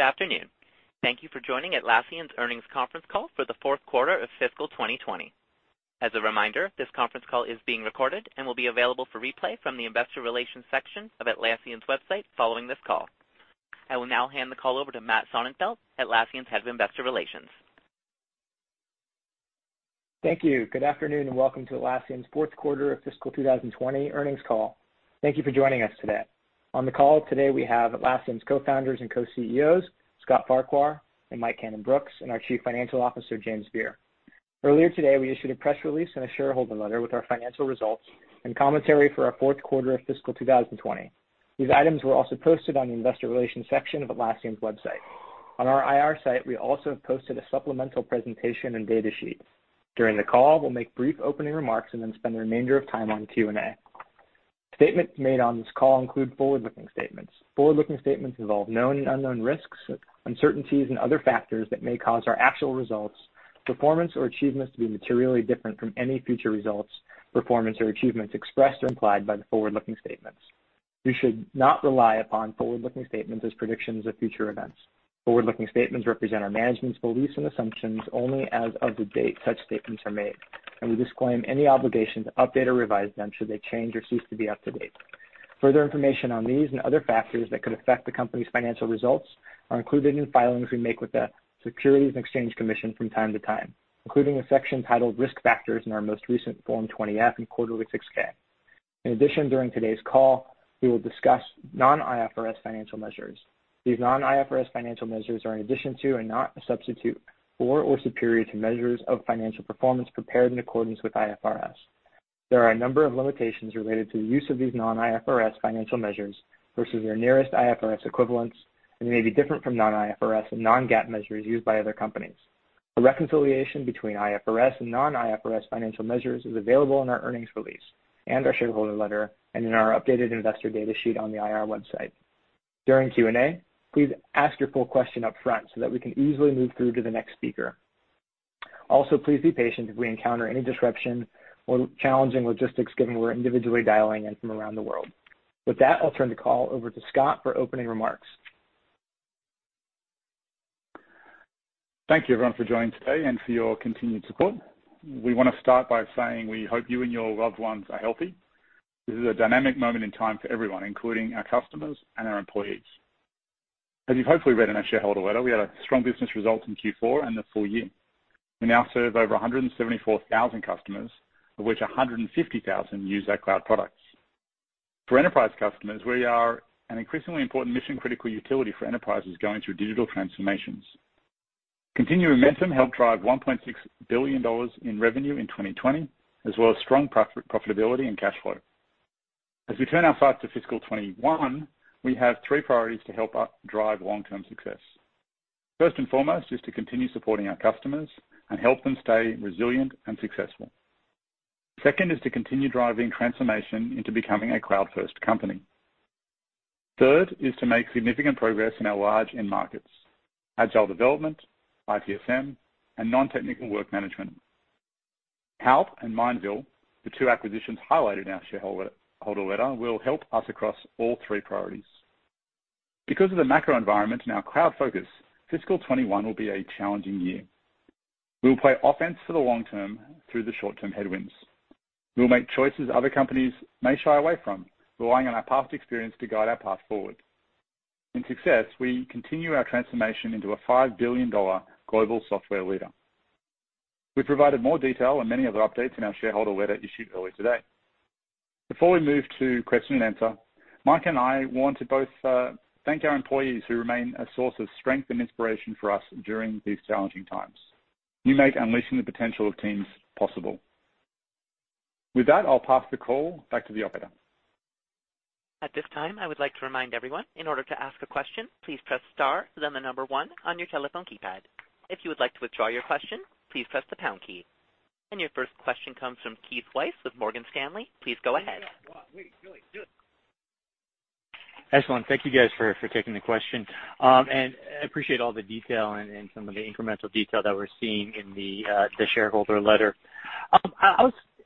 Good afternoon. Thank you for joining Atlassian's earnings conference call for the fourth quarter of fiscal 2020. As a reminder, this conference call is being recorded and will be available for replay from the investor relations section of Atlassian's website following this call. I will now hand the call over to Matt Sonefeldt, Atlassian's Head of Investor Relations. Thank you. Good afternoon, welcome to Atlassian's fourth quarter of fiscal 2020 earnings call. Thank you for joining us today. On the call today, we have Atlassian's Co-Founders and Co-CEOs, Scott Farquhar and Mike Cannon-Brookes, and our Chief Financial Officer, James Beer. Earlier today, we issued a press release and a shareholder letter with our financial results and commentary for our fourth quarter of fiscal 2020. These items were also posted on the investor relations section of Atlassian's website. On our IR site, we also have posted a supplemental presentation and data sheet. During the call, we'll make brief opening remarks then spend the remainder of time on Q&A. Statements made on this call include forward-looking statements. Forward-looking statements involve known and unknown risks, uncertainties, and other factors that may cause our actual results, performance, or achievements to be materially different from any future results, performance, or achievements expressed or implied by the forward-looking statements. You should not rely upon forward-looking statements as predictions of future events. Forward-looking statements represent our management's beliefs and assumptions only as of the date such statements are made, and we disclaim any obligation to update or revise them should they change or cease to be up to date. Further information on these and other factors that could affect the company's financial results are included in filings we make with the Securities and Exchange Commission from time to time, including a section titled Risk Factors in our most recent Form 20-F and quarterly 6-K. In addition, during today's call, we will discuss non-IFRS financial measures. These non-IFRS financial measures are in addition to and not a substitute for or superior to measures of financial performance prepared in accordance with IFRS. There are a number of limitations related to the use of these non-IFRS financial measures versus their nearest IFRS equivalents, and may be different from non-IFRS and non-GAAP measures used by other companies. A reconciliation between IFRS and non-IFRS financial measures is available in our earnings release and our shareholder letter, and in our updated investor data sheet on the IR website. During Q&A, please ask your full question up front so that we can easily move through to the next speaker. Also, please be patient if we encounter any disruption or challenging logistics given we're individually dialing in from around the world. With that, I'll turn the call over to Scott for opening remarks. Thank you everyone for joining today and for your continued support. We want to start by saying we hope you and your loved ones are healthy. This is a dynamic moment in time for everyone, including our customers and our employees. As you've hopefully read in our shareholder letter, we had strong business results in Q4 and the full year. We now serve over 174,000 customers, of which 150,000 use our cloud products. For enterprise customers, we are an increasingly important mission-critical utility for enterprises going through digital transformations. Continued momentum helped drive $1.6 billion in revenue in 2020, as well as strong profitability and cash flow. As we turn our sights to fiscal 2021, we have three priorities to help us drive long-term success. First and foremost is to continue supporting our customers and help them stay resilient and successful. Second is to continue driving transformation into becoming a cloud-first company. Third is to make significant progress in our large end markets, agile development, ITSM, and non-technical work management. Halp and Mindville, the two acquisitions highlighted in our shareholder letter, will help us across all three priorities. Because of the macro environment and our cloud focus, fiscal 2021 will be a challenging year. We will play offense for the long term through the short-term headwinds. We will make choices other companies may shy away from, relying on our past experience to guide our path forward. In success, we continue our transformation into a $5 billion global software leader. We've provided more detail on many of the updates in our shareholder letter issued earlier today. Before we move to question and answer, Mike and I want to both thank our employees, who remain a source of strength and inspiration for us during these challenging times. You make unleashing the potential of teams possible. With that, I'll pass the call back to the operator. At this time, I would like to remind everyone, in order to ask a question, please press star then the number 1 on your telephone keypad. If you would like to withdraw your question, please press the pound key. Your first question comes from Keith Weiss with Morgan Stanley. Please go ahead. Excellent. Thank you guys for taking the question. I appreciate all the detail and some of the incremental detail that we're seeing in the shareholder letter.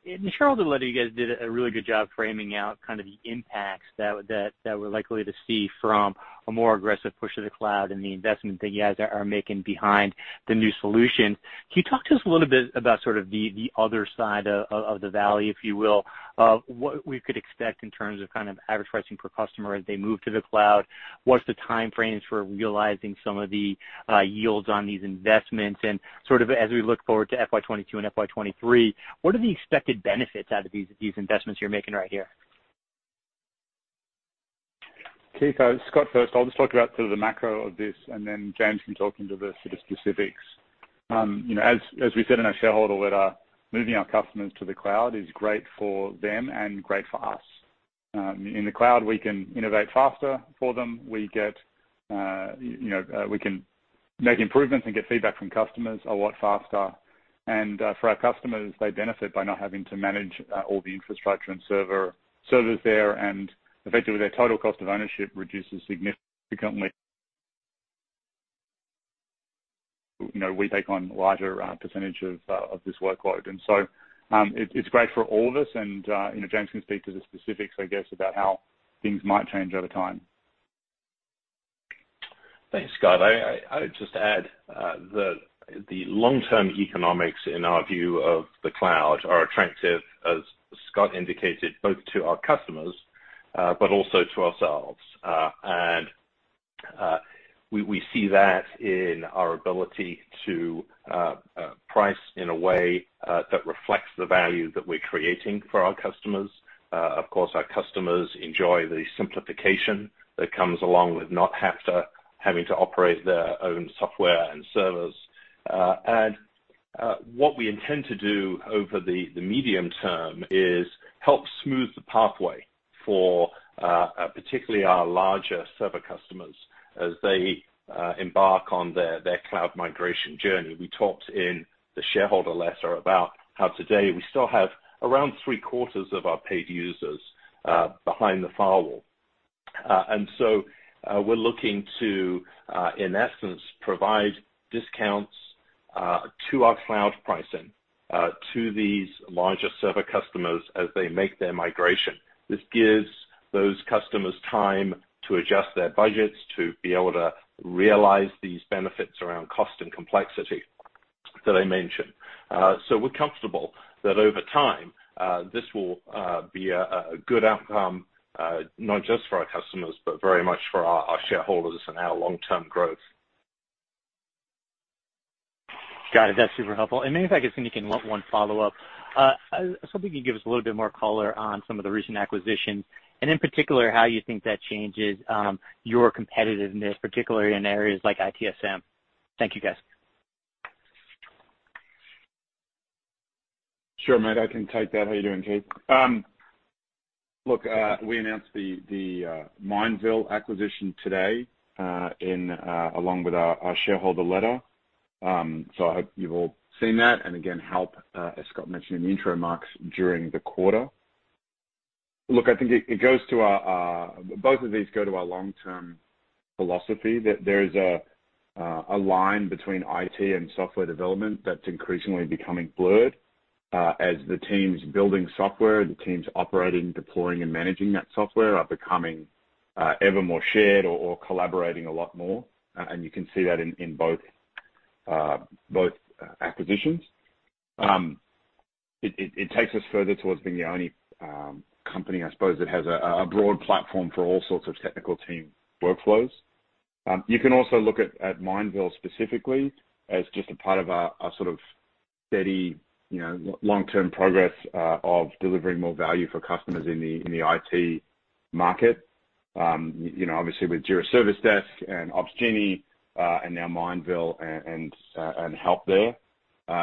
In the shareholder letter, you guys did a really good job framing out kind of the impacts that we're likely to see from a more aggressive push to the cloud and the investment that you guys are making behind the new solutions. Can you talk to us a little bit about sort of the other side of the valley, if you will, of what we could expect in terms of kind of advertising per customer as they move to the cloud? What's the time frames for realizing some of the yields on these investments? Sort of as we look forward to FY 2022 and FY 2023, what are the expected benefits out of these investments you're making right here? Keith, Scott first. I'll just talk about sort of the macro of this, then James can talk into the sort of specifics. As we said in our shareholder letter, moving our customers to the cloud is great for them and great for us. In the cloud, we can innovate faster for them. We can make improvements and get feedback from customers a lot faster. For our customers, they benefit by not having to manage all the infrastructure and servers there, and effectively, their total cost of ownership reduces significantly. We take on larger percentage of this workload. It's great for all of us, and James can speak to the specifics, I guess, about how things might change over time. Thanks, Scott. I would just add that the long-term economics in our view of the cloud are attractive, as Scott indicated, both to our customers, but also to ourselves. We see that in our ability to price in a way that reflects the value that we're creating for our customers. Of course, our customers enjoy the simplification that comes along with not having to operate their own software and servers. What we intend to do over the medium term is help smooth the pathway for particularly our larger server customers as they embark on their cloud migration journey. We talked in the shareholder letter about how today we still have around three-quarters of our paid users behind the firewall. We're looking to, in essence, provide discounts to our cloud pricing to these larger server customers as they make their migration. This gives those customers time to adjust their budgets to be able to realize these benefits around cost and complexity that I mentioned. We're comfortable that over time, this will be a good outcome, not just for our customers, but very much for our shareholders and our long-term growth. Got it. That's super helpful. Maybe if I can sneak in one follow-up. I was hoping you could give us a little bit more color on some of the recent acquisitions, and in particular, how you think that changes your competitiveness, particularly in areas like ITSM. Thank you, guys. Sure, mate. I can take that. How you doing, Keith? We announced the Mindville acquisition today along with our shareholder letter. I hope you've all seen that, and again, Halp, as Scott mentioned in the intro marks during the quarter. I think both of these go to our long-term philosophy, that there is a line between IT and software development that's increasingly becoming blurred as the teams building software, the teams operating, deploying, and managing that software are becoming ever more shared or collaborating a lot more. You can see that in both acquisitions. It takes us further towards being the only company, I suppose, that has a broad platform for all sorts of technical team workflows. You can also look at Mindville specifically as just a part of our steady long-term progress of delivering more value for customers in the IT market. Obviously with Jira Service Desk and Opsgenie, and now Mindville and Halp.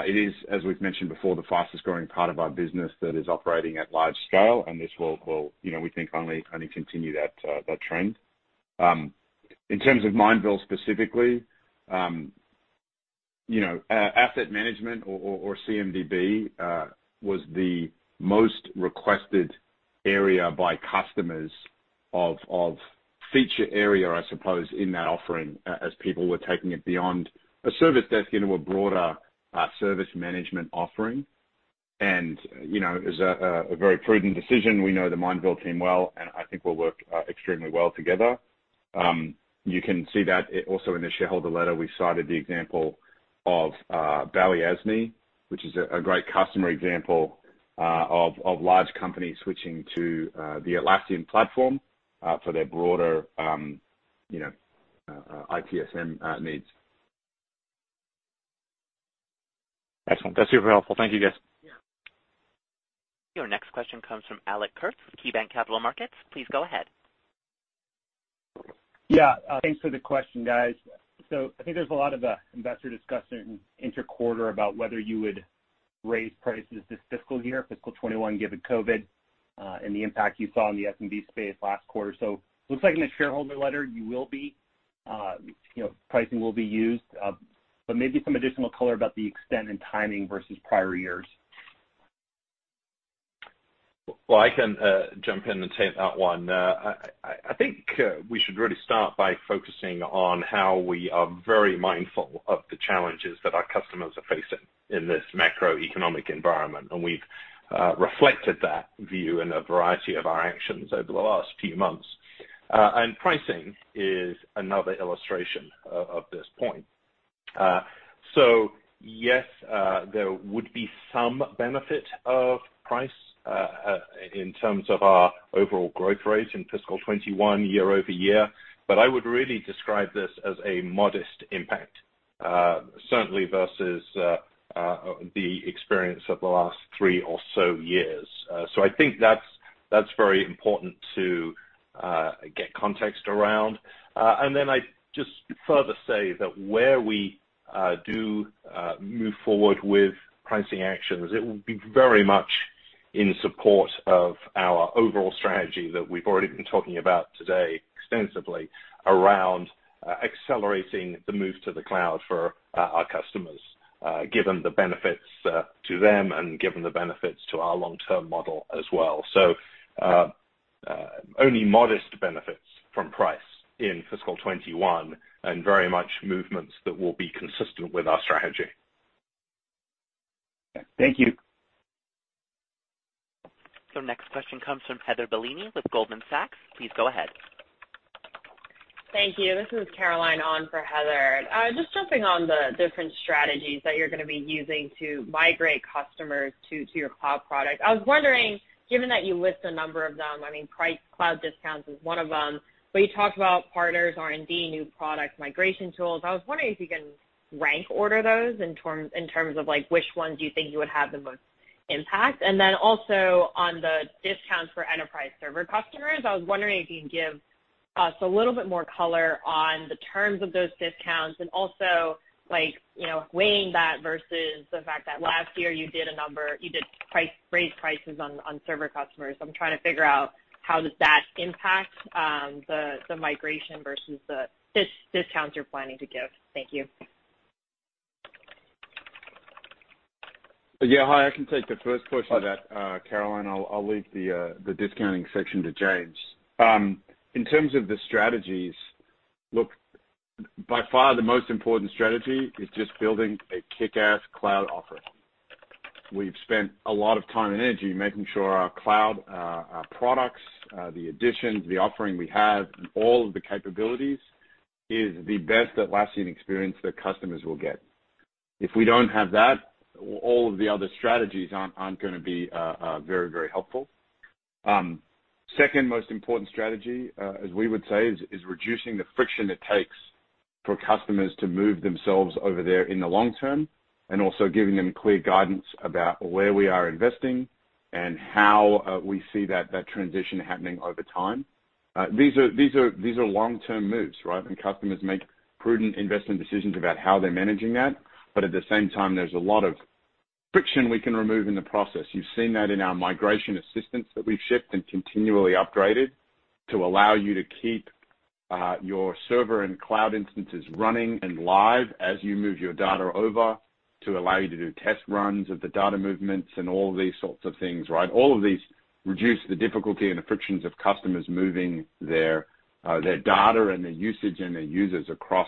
It is, as we've mentioned before, the fastest-growing part of our business that is operating at large scale, and this will, we think, only continue that trend. In terms of Mindville specifically, asset management or CMDB was the most requested area by customers of feature area, I suppose, in that offering, as people were taking it beyond a service desk into a broader service management offering. It was a very prudent decision. We know the Mindville team well, and I think we'll work extremely well together. You can see that also in the shareholder letter. We cited the example of Balyasny, which is a great customer example of large companies switching to the Atlassian platform for their broader ITSM needs. Excellent. That's super helpful. Thank you, guys. Yeah. Your next question comes from Alex Kurtz with KeyBank Capital Markets. Please go ahead. Yeah. Thanks for the question, guys. I think there's a lot of investor discussion inter-quarter about whether you would raise prices this fiscal year, fiscal 2021, given COVID and the impact you saw in the SMB space last quarter. Looks like in the shareholder letter pricing will be used, but maybe some additional color about the extent and timing versus prior years. Well, I can jump in and take that one. I think we should really start by focusing on how we are very mindful of the challenges that our customers are facing in this macroeconomic environment, and we've reflected that view in a variety of our actions over the last few months. Pricing is another illustration of this point. Yes, there would be some benefit of price in terms of our overall growth rate in fiscal 2021 year-over-year, but I would really describe this as a modest impact, certainly versus the experience of the last three or so years. I think that's very important to get context around. I'd just further say that where we do move forward with pricing actions, it will be very much in support of our overall strategy that we've already been talking about today extensively around accelerating the move to the cloud for our customers given the benefits to them and given the benefits to our long-term model as well. Only modest benefits from price in fiscal 2021, and very much movements that will be consistent with our strategy. Thank you. Next question comes from Heather Bellini with Goldman Sachs. Please go ahead. Thank you. This is Caroline on for Heather. Just jumping on the different strategies that you're going to be using to migrate customers to your cloud product, I was wondering, given that you list a number of them, price cloud discounts is one of them, but you talked about partners, R&D, new product migration tools, if you can rank order those in terms of which ones you think you would have the most impact. Also on the discounts for enterprise server customers, I was wondering if you can give us a little bit more color on the terms of those discounts and also weighing that versus the fact that last year you did raise prices on server customers. I'm trying to figure out how does that impact the migration versus the discounts you're planning to give. Thank you. Yeah. Hi, I can take the first portion of that, Caroline. I'll leave the discounting section to James. In terms of the strategies, look, by far the most important strategy is just building a kickass cloud offering. We've spent a lot of time and energy making sure our cloud products, the additions, the offering we have, and all of the capabilities is the best Atlassian experience that customers will get. If we don't have that, all of the other strategies aren't going to be very helpful. Second most important strategy, as we would say, is reducing the friction it takes for customers to move themselves over there in the long term, and also giving them clear guidance about where we are investing and how we see that transition happening over time. These are long-term moves, right? Customers make prudent investment decisions about how they're managing that. At the same time, there's a lot of friction we can remove in the process. You've seen that in our migration assistance that we've shipped and continually upgraded to allow you to keep your server and cloud instances running and live as you move your data over, to allow you to do test runs of the data movements and all these sorts of things, right? All of these reduce the difficulty and the frictions of customers moving their data and their usage and their users across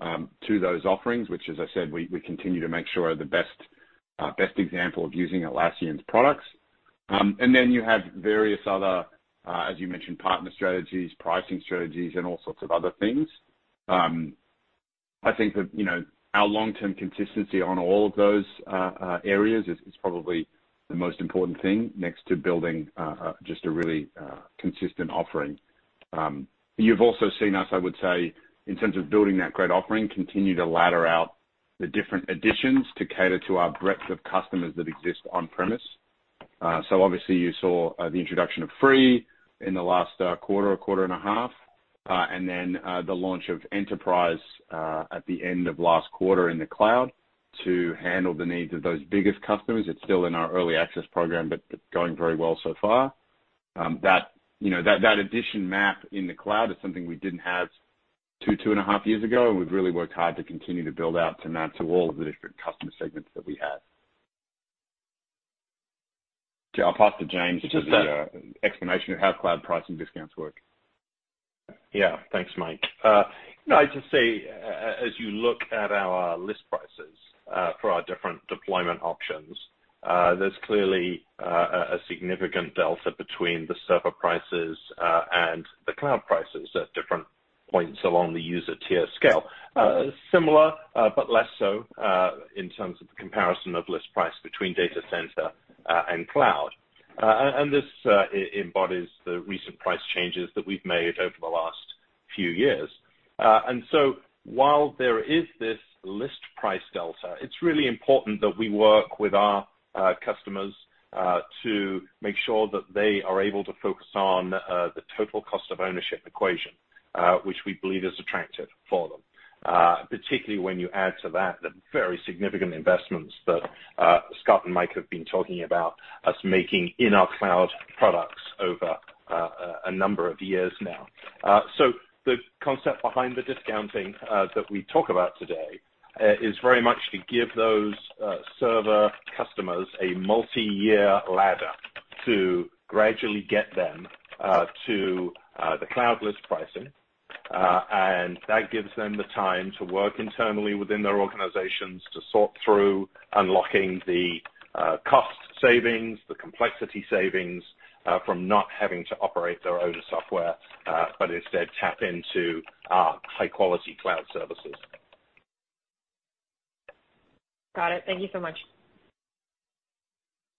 to those offerings, which as I said, we continue to make sure are the best example of using Atlassian's products. Then you have various other, as you mentioned, partner strategies, pricing strategies, and all sorts of other things. I think that our long-term consistency on all of those areas is probably the most important thing next to building just a really consistent offering. You've also seen us, I would say, in terms of building that great offering, continue to ladder out the different additions to cater to our breadth of customers that exist on-premise. Obviously you saw the introduction of Free in the last quarter or quarter and a half, and then the launch of Enterprise at the end of last quarter in the cloud to handle the needs of those biggest customers. It's still in our early access program, but going very well so far. That addition map in the cloud is something we didn't have two and a half years ago, and we've really worked hard to continue to build out to map to all of the different customer segments that we have. I'll pass to James for the explanation of how cloud pricing discounts work. Yeah. Thanks, Mike. I'd just say, as you look at our list prices for our different deployment options, there's clearly a significant delta between the Server prices and the Cloud prices at different points along the user tier scale. Similar, less so, in terms of the comparison of list price between Data Center and Cloud. This embodies the recent price changes that we've made over the last few years. While there is this list price delta, it's really important that we work with our customers to make sure that they are able to focus on the total cost of ownership equation, which we believe is attractive for them. Particularly when you add to that the very significant investments that Scott and Mike have been talking about us making in our Cloud products over a number of years now. The concept behind the discounting that we talk about today is very much to give those Server customers a multi-year ladder to gradually get them to the Cloud list pricing. That gives them the time to work internally within their organizations to sort through unlocking the cost savings, the complexity savings, from not having to operate their own software, but instead tap into our high-quality Cloud services. Got it. Thank you so much.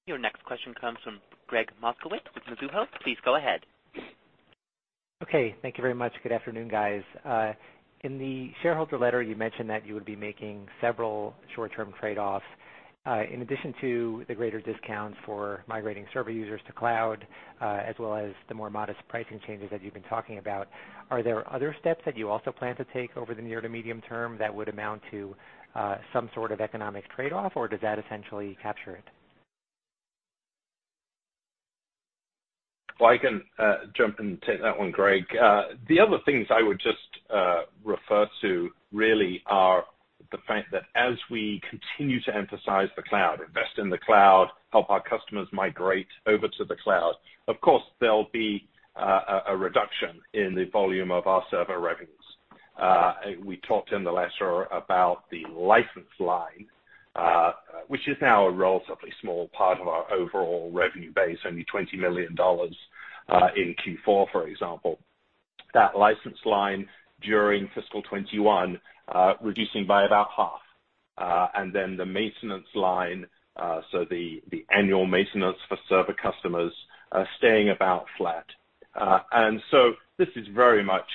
Your next question comes from Gregg Moskowitz with Mizuho. Please go ahead. Okay. Thank you very much. Good afternoon, guys. In the shareholder letter, you mentioned that you would be making several short-term trade-offs. In addition to the greater discounts for migrating server users to cloud, as well as the more modest pricing changes that you've been talking about, are there other steps that you also plan to take over the near to medium term that would amount to some sort of economic trade-off, or does that essentially capture it? Well, I can jump in and take that one, Greg. The other things I would just refer to really are. The fact that as we continue to emphasize the Cloud, invest in the Cloud, help our customers migrate over to the Cloud, of course, there'll be a reduction in the volume of our server revenues. We talked in the letter about the license line, which is now a relatively small part of our overall revenue base, only $20 million in Q4, for example. That license line, during fiscal 2021, reducing by about half. The maintenance line, so the annual maintenance for server customers, staying about flat. This is very much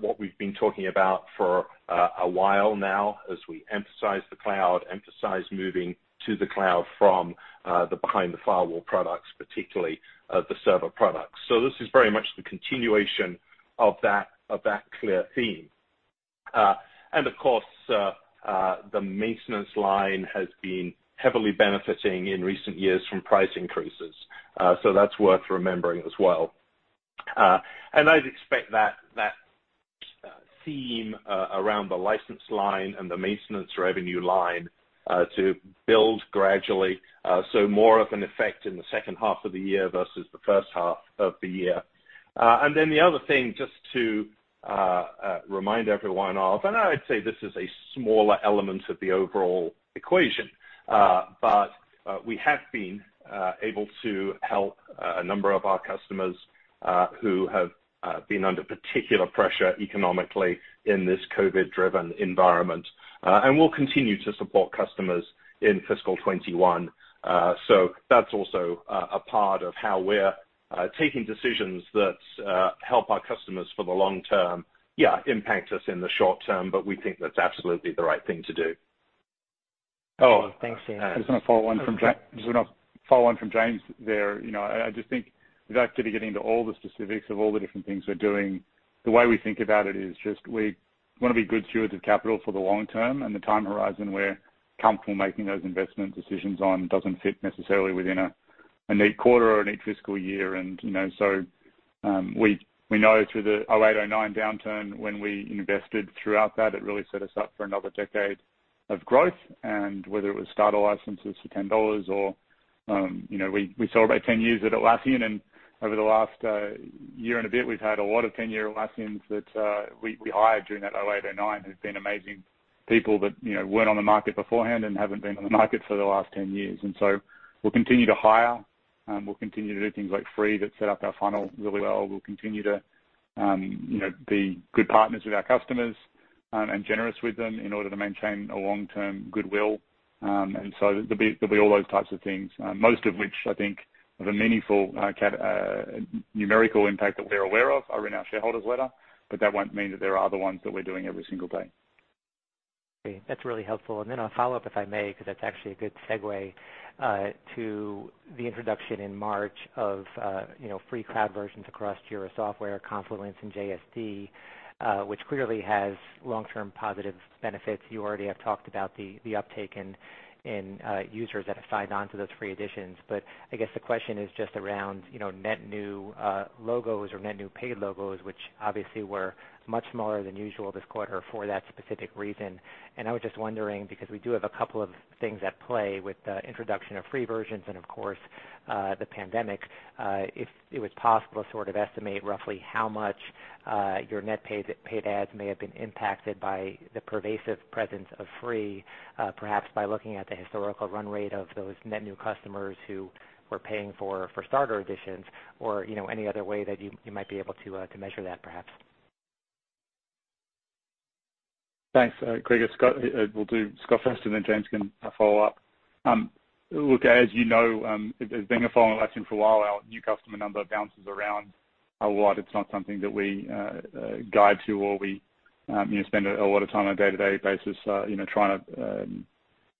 what we've been talking about for a while now as we emphasize the Cloud, emphasize moving to the Cloud from the behind-the-firewall products, particularly the server products. This is very much the continuation of that clear theme. Of course, the maintenance line has been heavily benefiting in recent years from price increases. That's worth remembering as well. I'd expect that theme around the license line and the maintenance revenue line to build gradually, so more of an effect in the second half of the year versus the first half of the year. The other thing, just to remind everyone of, and I'd say this is a smaller element of the overall equation, but we have been able to help a number of our customers who have been under particular pressure economically in this COVID-driven environment. We'll continue to support customers in fiscal 2021. That's also a part of how we're taking decisions that help our customers for the long term. Yeah, impacts us in the short term, but we think that's absolutely the right thing to do. Thanks, James. Just want to follow on from James there. I just think without getting into all the specifics of all the different things we're doing, the way we think about it is just we want to be good stewards of capital for the long term, and the time horizon we're comfortable making those investment decisions on doesn't fit necessarily within a neat quarter or a neat fiscal year. We know through the 2008, 2009 downturn, when we invested throughout that, it really set us up for another decade of growth, and whether it was starter licenses for $10 or we celebrate 10 years at Atlassian, and over the last year and a bit, we've had a lot of 10-year Atlassians that we hired during that 2008, 2009, who've been amazing people that weren't on the market beforehand and haven't been on the market for the last 10 years. We'll continue to hire. We'll continue to do things like Free that set up our funnel really well. We'll continue to be good partners with our customers and generous with them in order to maintain a long-term goodwill. There'll be all those types of things, most of which I think have a meaningful numerical impact that we're aware of, are in our shareholders letter, but that won't mean that they're all the ones that we're doing every single day. Great. That's really helpful. Then I'll follow up, if I may, because that's actually a good segue to the introduction in March of free cloud versions across Jira Software, Confluence, and JSD, which clearly has long-term positive benefits. You already have talked about the uptake in users that have signed on to those free editions. I guess the question is just around net new logos or net new paid logos, which obviously were much smaller than usual this quarter for that specific reason. I was just wondering, because we do have a couple of things at play with the introduction of Free versions and of course, the pandemic, if it was possible to sort of estimate roughly how much your net paid ads may have been impacted by the pervasive presence of Free, perhaps by looking at the historical run rate of those net new customers who were paying for starter editions or any other way that you might be able to measure that, perhaps. Thanks, Gregg. We'll do Scott first, and then James can follow up. Look, as you know, as being a founder at Atlassian for a while, our new customer number bounces around a lot. It's not something that we guide to or we spend a lot of time on a day-to-day basis trying to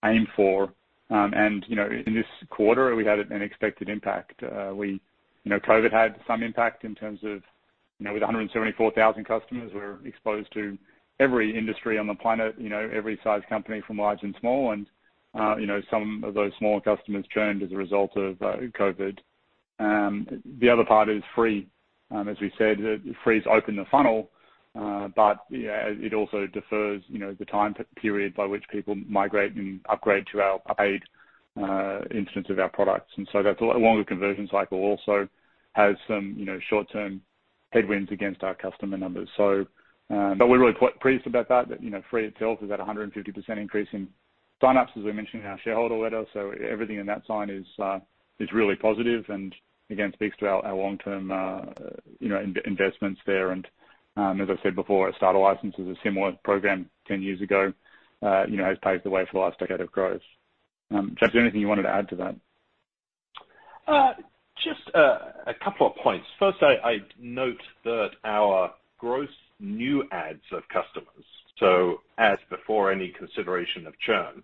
aim for. In this quarter, we had an expected impact. COVID had some impact in terms of with 174,000 customers, we're exposed to every industry on the planet, every size company from large and small, and some of those smaller customers churned as a result of COVID. The other part is Free. As we said, Free's opened the funnel, but it also defers the time period by which people migrate and upgrade to our paid instance of our products. That's a longer conversion cycle, also has some short-term headwinds against our customer numbers. We're really pleased about that Free itself is at 150% increase in sign-ups, as we mentioned in our shareholder letter. Everything in that sign is really positive and again, speaks to our long-term investments there. As I said before, our starter license is a similar program 10 years ago, has paved the way for the last decade of growth. James, anything you wanted to add to that? Just a couple of points. First, I'd note that our gross new adds of customers, so as before any consideration of churn,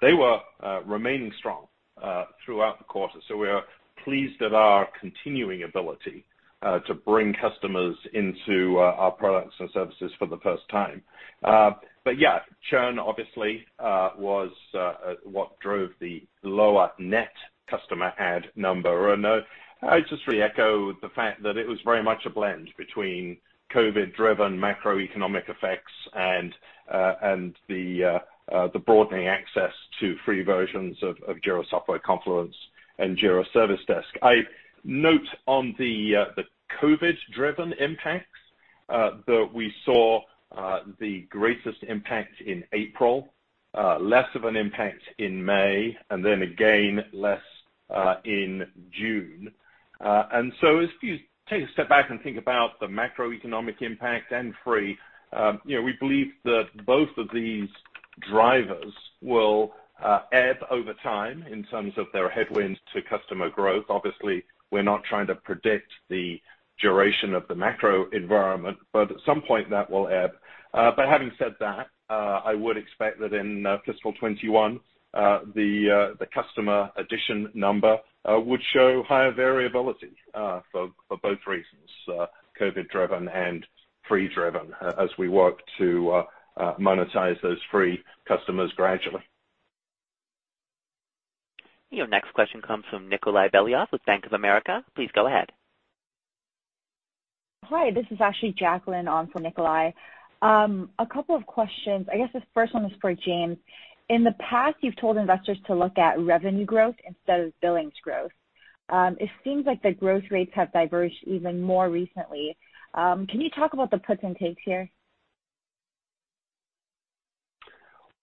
they were remaining strong throughout the quarter. We are pleased at our continuing ability to bring customers into our products and services for the first time. Yeah, churn obviously was what drove the lower net customer add number. I just reecho the fact that it was very much a blend between COVID-driven macroeconomic effects and the broadening access to free versions of Jira Software Confluence and Jira Service Desk. I note on the COVID-driven impacts that we saw the greatest impact in April, less of an impact in May, and then again, less in June. If you take a step back and think about the macroeconomic impact and free, we believe that both of these drivers will ebb over time in terms of their headwinds to customer growth. Obviously, we're not trying to predict the duration of the macro environment, but at some point that will ebb. Having said that, I would expect that in fiscal 2021, the customer addition number would show higher variability for both reasons, COVID-driven and free-driven, as we work to monetize those free customers gradually. Your next question comes from Nikolay Beliov with Bank of America. Please go ahead. Hi, this is actually Jacqueline on for Nikolay. A couple of questions. I guess this first one is for James. In the past, you've told investors to look at revenue growth instead of billings growth. It seems like the growth rates have diverged even more recently. Can you talk about the puts and takes here?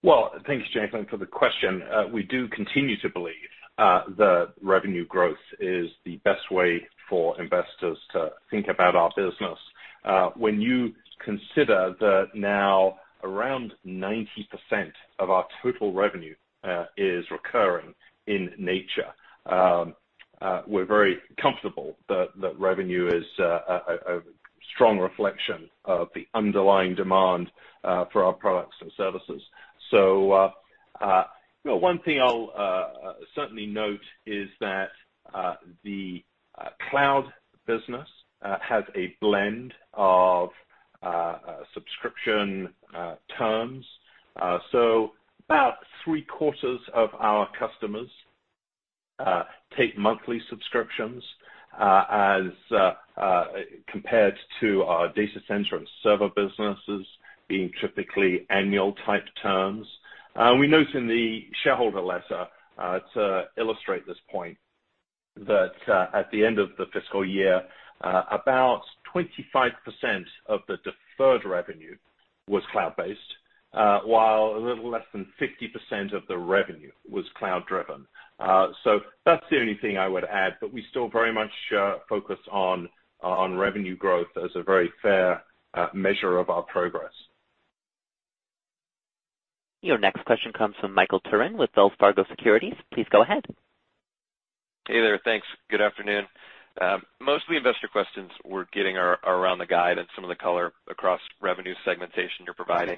Well, thanks, Jacqueline, for the question. We do continue to believe that revenue growth is the best way for investors to think about our business. When you consider that now around 90% of our total revenue is recurring in nature, we're very comfortable that revenue is a strong reflection of the underlying demand for our products and services. One thing I'll certainly note is that the cloud business has a blend of subscription terms. About three-quarters of our customers take monthly subscriptions as compared to our data center and server businesses being typically annual type terms. We note in the shareholder letter to illustrate this point that at the end of the fiscal year, about 25% of the deferred revenue was cloud-based, while a little less than 50% of the revenue was cloud-driven. That's the only thing I would add, but we still very much focus on revenue growth as a very fair measure of our progress. Your next question comes from Michael Turrin with Wells Fargo Securities. Please go ahead. Hey there, thanks. Good afternoon. Most of the investor questions we're getting are around the guide and some of the color across revenue segmentation you're providing.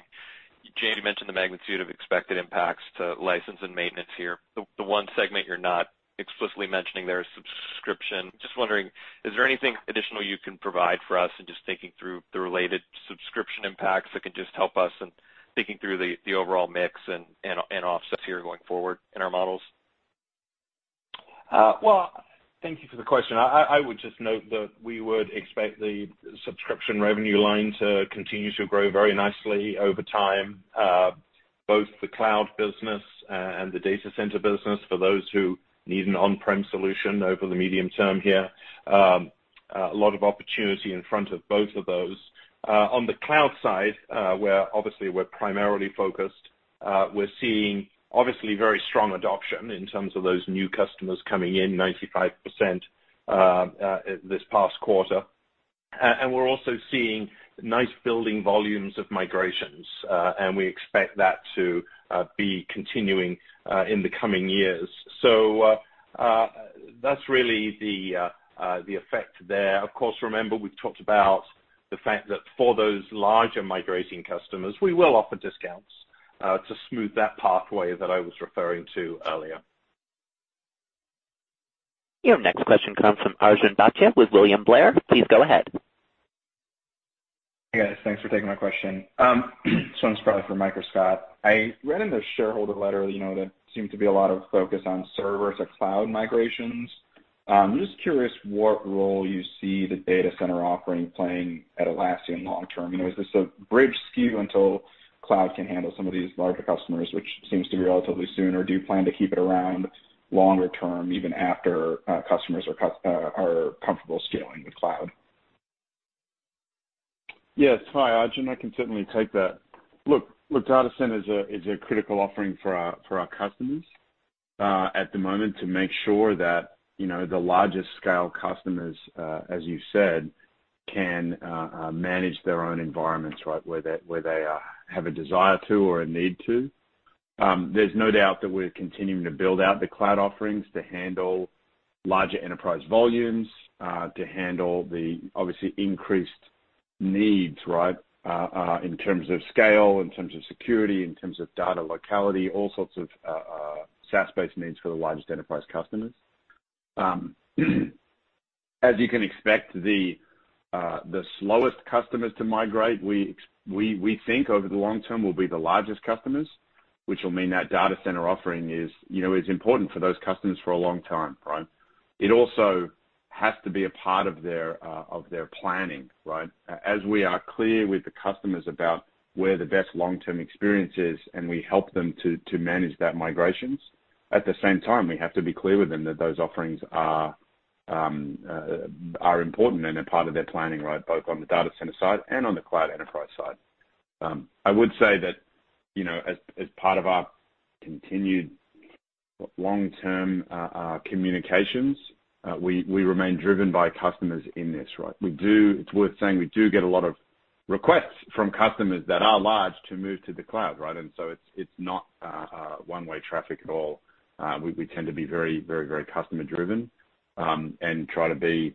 James, you mentioned the magnitude of expected impacts to license and maintenance here. The one segment you're not explicitly mentioning there is subscription. Just wondering, is there anything additional you can provide for us in just thinking through the related subscription impacts that can just help us in thinking through the overall mix and offsets here going forward in our models? Well, thank you for the question. I would just note that we would expect the subscription revenue line to continue to grow very nicely over time, both the cloud business and the Data Center business for those who need an on-prem solution over the medium term here. A lot of opportunity in front of both of those. On the cloud side, where obviously we're primarily focused, we're seeing obviously very strong adoption in terms of those new customers coming in, 95% this past quarter. We're also seeing nice building volumes of migrations, and we expect that to be continuing in the coming years. That's really the effect there. Of course, remember, we've talked about the fact that for those larger migrating customers, we will offer discounts to smooth that pathway that I was referring to earlier. Your next question comes from Arjun Bhatia with William Blair. Please go ahead. Hey, guys. Thanks for taking my question. This one's probably for Mike or Scott. I read in the shareholder letter that seemed to be a lot of focus on servers or cloud migrations. I'm just curious what role you see the Data Center offering playing at Atlassian long term. Is this a bridge SKU until cloud can handle some of these larger customers, which seems to be relatively soon? Or do you plan to keep it around longer term even after customers are comfortable scaling with cloud? Yes. Hi, Arjun. I can certainly take that. Look, data center is a critical offering for our customers at the moment to make sure that the largest scale customers, as you said, can manage their own environments where they have a desire to or a need to. There's no doubt that we're continuing to build out the cloud offerings to handle larger enterprise volumes, to handle the obviously increased needs in terms of scale, in terms of security, in terms of data locality, all sorts of SaaS-based needs for the largest enterprise customers. As you can expect, the slowest customers to migrate, we think over the long term will be the largest customers. Which will mean that data center offering is important for those customers for a long time, right? It also has to be a part of their planning, right? We are clear with the customers about where the best long-term experience is, and we help them to manage that migrations. At the same time, we have to be clear with them that those offerings are important and they're part of their planning, right? Both on the data center side and on the Cloud Enterprise side. I would say that, as part of our continued long-term communications, we remain driven by customers in this, right? It's worth saying, we do get a lot of requests from customers that are large to move to the cloud, right? It's not one-way traffic at all. We tend to be very customer driven, and try to be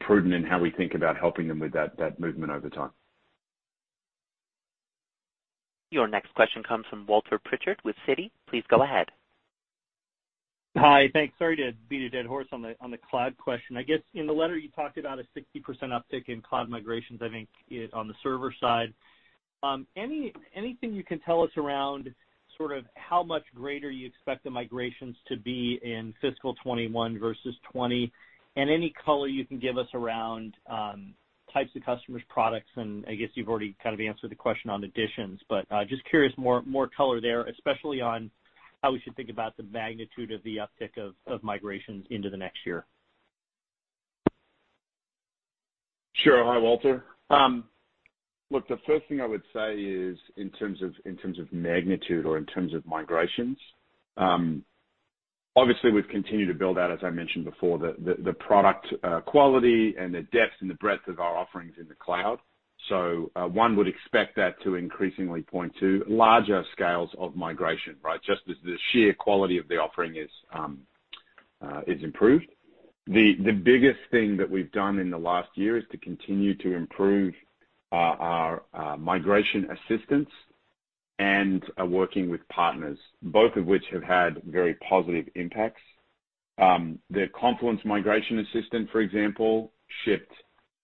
prudent in how we think about helping them with that movement over time. Your next question comes from Walter Pritchard with Citi. Please go ahead. Hi. Thanks. Sorry to beat a dead horse on the cloud question. I guess in the letter you talked about a 60% uptick in cloud migrations, I think on the server side. Anything you can tell us around sort of how much greater you expect the migrations to be in fiscal 2021 versus 2020? Any color you can give us around types of customers, products, and I guess you've already kind of answered the question on additions, but just curious more color there, especially on how we should think about the magnitude of the uptick of migrations into the next year. Sure. Hi, Walter. Look, the first thing I would say is in terms of magnitude or in terms of migrations, obviously we've continued to build out, as I mentioned before, the product quality and the depth and the breadth of our offerings in the cloud. One would expect that to increasingly point to larger scales of migration, right? Just as the sheer quality of the offering has improved. The biggest thing that we've done in the last year is to continue to improve our migration assistance and working with partners, both of which have had very positive impacts. The Confluence Migration Assistant, for example, shipped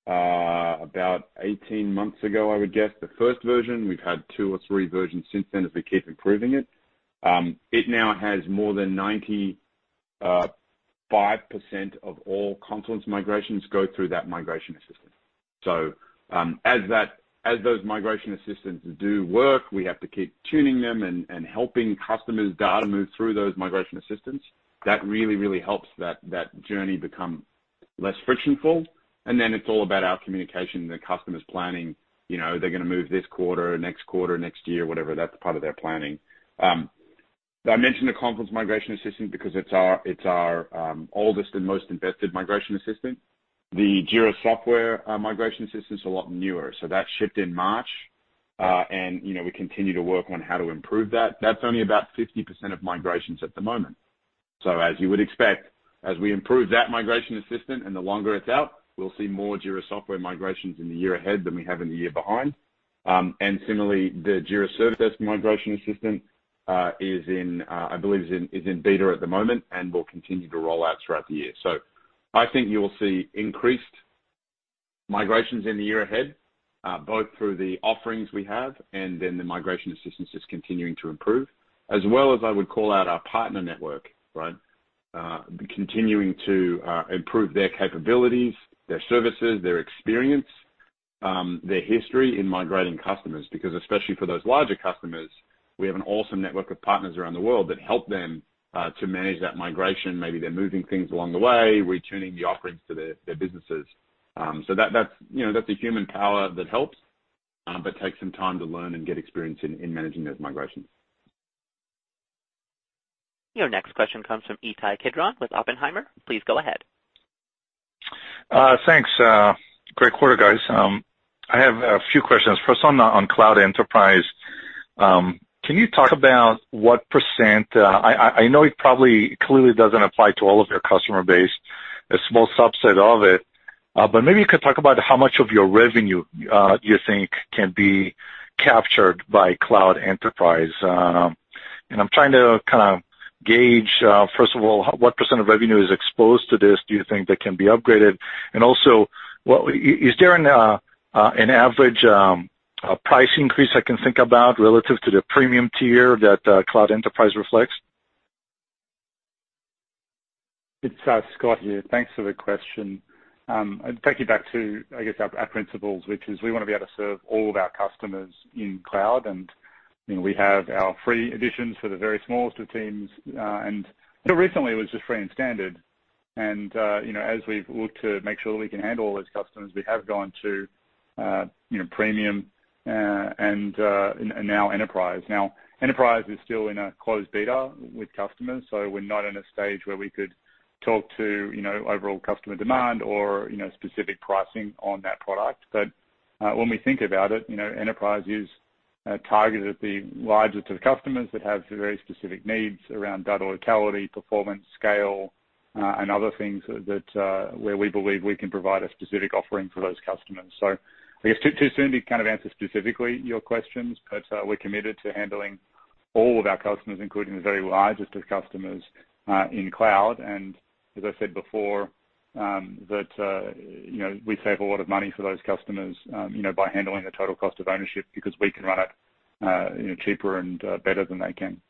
about 18 months ago, I would guess. The first version. We've had two or three versions since then as we keep improving it. It now has more than 95% of all Confluence migrations go through that migration assistant. As those migration assistants do work, we have to keep tuning them and helping customers' data move through those migration assistants. That really helps that journey become less frictional. It's all about our communication and the customer's planning. They're going to move this quarter, next quarter, next year, whatever. That's part of their planning. I mentioned the Confluence Migration Assistant because it's our oldest and most invested migration assistant. The Jira Software Migration Assistant is a lot newer. That shipped in March. We continue to work on how to improve that. That's only about 50% of migrations at the moment. As you would expect, as we improve that migration assistant and the longer it's out, we'll see more Jira Software migrations in the year ahead than we have in the year behind. Similarly, the Jira Service Desk Migration Assistant I believe is in beta at the moment and will continue to roll out throughout the year. I think you will see increased migrations in the year ahead, both through the offerings we have and then the migration assistance just continuing to improve. As well as I would call out our partner network, right, continuing to improve their capabilities, their services, their experience, their history in migrating customers. Especially for those larger customers, we have an awesome network of partners around the world that help them to manage that migration. Maybe they're moving things along the way, retuning the offerings to their businesses. That's a human power that helps, but takes some time to learn and get experience in managing those migrations. Your next question comes from Ittai Kidron with Oppenheimer. Please go ahead. Thanks. Great quarter, guys. I have a few questions. First one on Cloud Enterprise. Can you talk about what %, I know it probably clearly doesn't apply to all of your customer base, a small subset of it. Maybe you could talk about how much of your revenue you think can be captured by Cloud Enterprise. I'm trying to kind of gauge, first of all, what percentage of revenue is exposed to this, do you think that can be upgraded? Also, is there an average price increase I can think about relative to the premium tier that Cloud Enterprise reflects? It's Scott here. Thanks for the question. I'd take you back to, I guess, our principles, which is we want to be able to serve all of our customers in cloud, and we have our free editions for the very smallest of teams. Until recently, it was just free and standard. As we've looked to make sure that we can handle all those customers, we have gone to Premium and now Enterprise. Enterprise is still in a closed beta with customers, so we're not in a stage where we could talk to overall customer demand or specific pricing on that product. When we think about it, Enterprise is targeted at the larger sort of customers that have very specific needs around data locality, performance, scale, and other things where we believe we can provide a specific offering for those customers. I guess too soon to kind of answer specifically your questions, but we're committed to handling All of our customers, including the very largest of customers, in cloud. As I said before, that we save a lot of money for those customers by handling the total cost of ownership because we can run it cheaper and better than they can.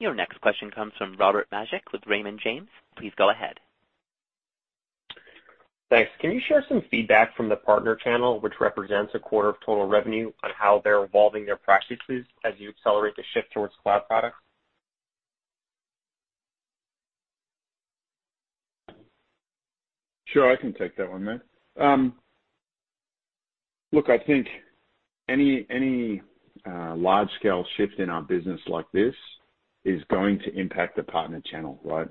Your next question comes from Robert Magic with Raymond James. Please go ahead. Thanks. Can you share some feedback from the partner channel, which represents a quarter of total revenue, on how they're evolving their practices as you accelerate the shift towards cloud products? Sure, I can take that one, Matt. Look, I think any large-scale shift in our business like this is going to impact the partner channel, right?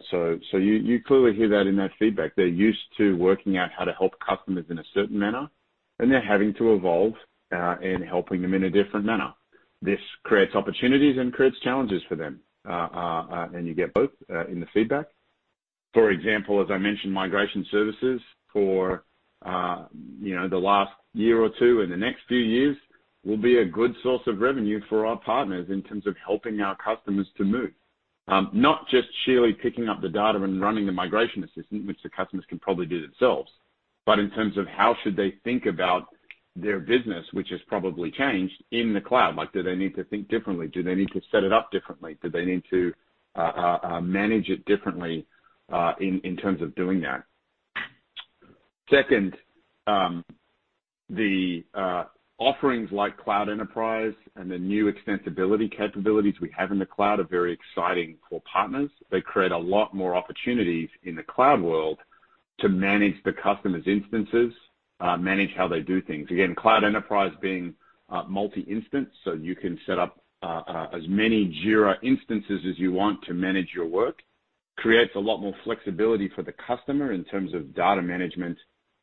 You clearly hear that in that feedback. They're used to working out how to help customers in a certain manner, and they're having to evolve in helping them in a different manner. This creates opportunities and creates challenges for them. You get both in the feedback. For example, as I mentioned, migration services for the last year or two, and the next few years, will be a good source of revenue for our partners in terms of helping our customers to move. Not just sheerly picking up the data and running the migration assistant, which the customers can probably do themselves. In terms of how should they think about their business, which has probably changed in the cloud. Do they need to think differently? Do they need to set it up differently? Do they need to manage it differently, in terms of doing that? Second, the offerings like Cloud Enterprise and the new extensibility capabilities we have in the cloud are very exciting for partners. They create a lot more opportunities in the cloud world to manage the customer's instances, manage how they do things. Again, Cloud Enterprise being multi-instance, so you can set up as many Jira instances as you want to manage your work, creates a lot more flexibility for the customer in terms of data management,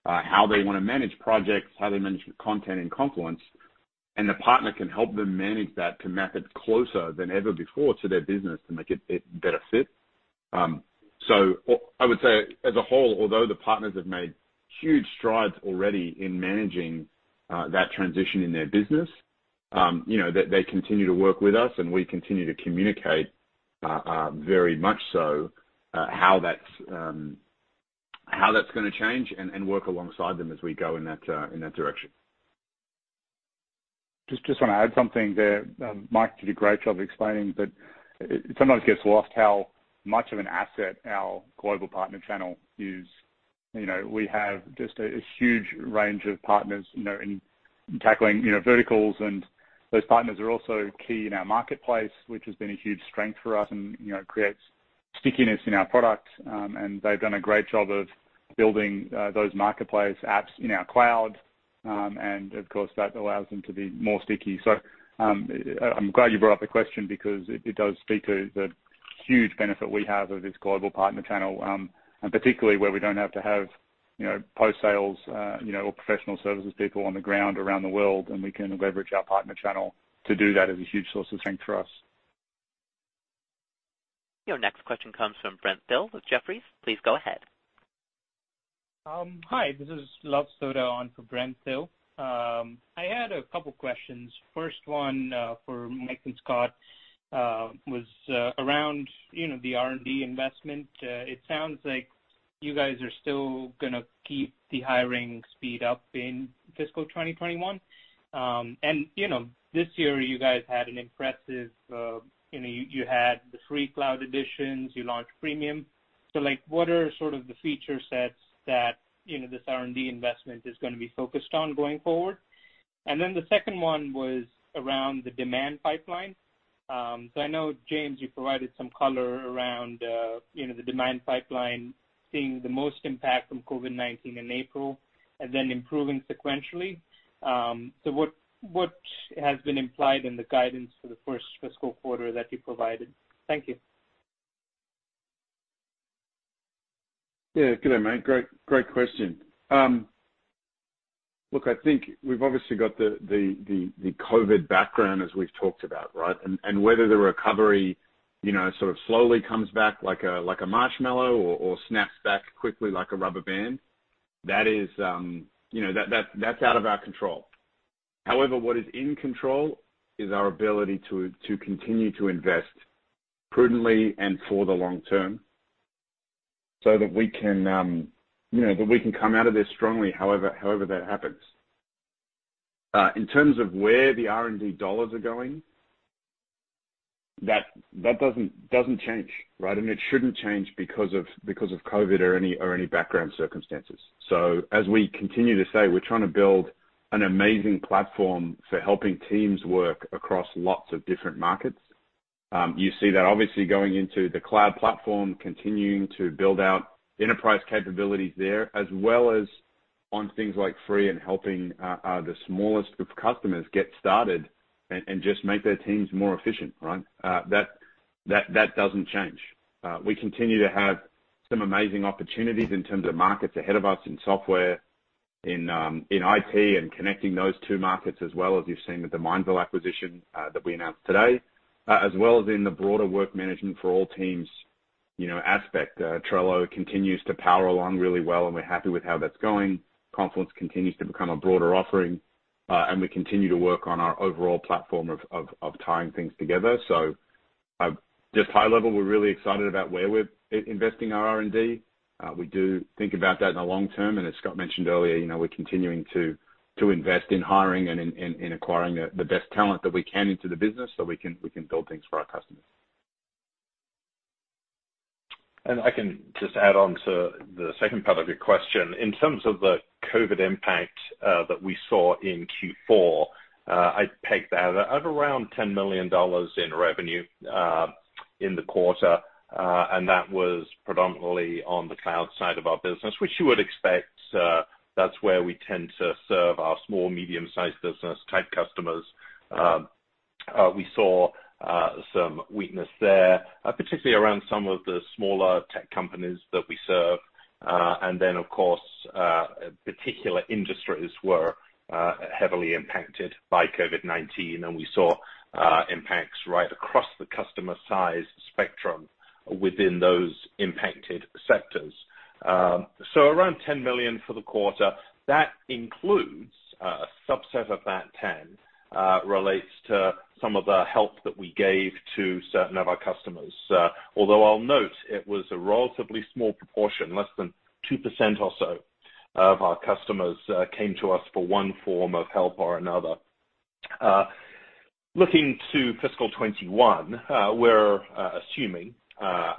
how they want to manage projects, how they manage content in Confluence. The partner can help them manage that to map it closer than ever before to their business to make it a better fit. I would say, as a whole, although the partners have made huge strides already in managing that transition in their business, they continue to work with us, and we continue to communicate very much so, how that's going to change and work alongside them as we go in that direction. Just want to add something there. Mike did a great job of explaining, but it sometimes gets lost how much of an asset our global partner channel is. We have just a huge range of partners in tackling verticals, and those partners are also key in our marketplace, which has been a huge strength for us and creates stickiness in our product. They've done a great job of building those marketplace apps in our cloud. Of course, that allows them to be stickier. I'm glad you brought up the question because it does speak to the huge benefit we have of this global partner channel, and particularly where we don't have to have post-sales or professional services people on the ground around the world, and we can leverage our partner channel to do that is a huge source of strength for us. Your next question comes from Brent Thill with Jefferies. Please go ahead. Hi, this is Luv Sodha on for Brent Thill. I had a couple questions. First one for Mike and Scott was around the R&D investment. It sounds like you guys are still going to keep the hiring speed up in fiscal 2021. This year, you guys had the free cloud editions, you launched premium. What are sort of the feature sets that this R&D investment is going to be focused on going forward? The second one was around the demand pipeline. I know, James, you provided some color around the demand pipeline seeing the most impact from COVID-19 in April and then improving sequentially. What has been implied in the guidance for the first fiscal quarter that you provided? Thank you. Yeah. Good day, mate. Great question. Look, I think we've obviously got the COVID background, as we've talked about, right? Whether the recovery sort of slowly comes back like a marshmallow or snaps back quickly like a rubber band, that's out of our control. However, what is in control is our ability to continue to invest prudently and for the long term so that we can come out of this strongly however that happens. In terms of where the R&D dollars are going, that doesn't change, right? It shouldn't change because of COVID or any background circumstances. As we continue to say, we're trying to build an amazing platform for helping teams work across lots of different markets. You see that obviously going into the cloud platform, continuing to build out enterprise capabilities there, as well as on things like free and helping the smallest of customers get started and just make their teams more efficient, right? That doesn't change. We continue to have some amazing opportunities in terms of markets ahead of us in software, in IT, and connecting those two markets as well as you've seen with the Mindville acquisition that we announced today, as well as in the broader work management for all teams. Aspect. Trello continues to power along really well, and we're happy with how that's going. Confluence continues to become a broader offering, and we continue to work on our overall platform of tying things together. Just high level, we're really excited about where we're investing our R&D. We do think about that in the long term, and as Scott mentioned earlier, we're continuing to invest in hiring and in acquiring the best talent that we can into the business, so we can build things for our customers. I can just add on to the second part of your question. In terms of the COVID impact that we saw in Q4, I'd peg that at around $10 million in revenue in the quarter, and that was predominantly on the cloud side of our business, which you would expect. That's where we tend to serve our small, medium-sized business-type customers. We saw some weakness there, particularly around some of the smaller tech companies that we serve. Then, of course, particular industries were heavily impacted by COVID-19, and we saw impacts right across the customer size spectrum within those impacted sectors. Around $10 million for the quarter. That includes a subset of that $10 million relates to some of the help that we gave to certain of our customers. Although I'll note, it was a relatively small proportion, less than 2% or so of our customers came to us for one form of help or another. Looking to fiscal 2021, we're assuming,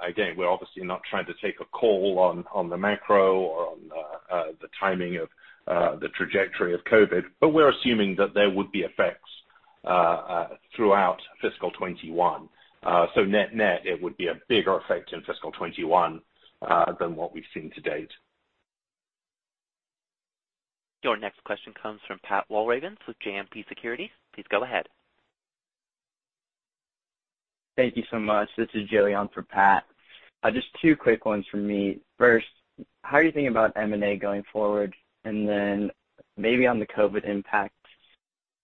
again, we're obviously not trying to take a call on the macro or on the timing of the trajectory of COVID-19, but we're assuming that there would be effects throughout fiscal 2021. Net-net, it would be a bigger effect in fiscal 2021 than what we've seen to date. Your next question comes from Patrick Walravens with JMP Securities. Please go ahead. Thank you so much. This is Jillian for Pat. Just two quick ones from me. First, how are you thinking about M&A going forward? Then maybe on the COVID impact,